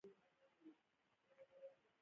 امو سیند د افغانستان پوله جوړوي.